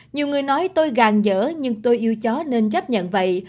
nhiều người nói tôi gàn dở nhưng tôi yêu chó nên chấp nhận vậy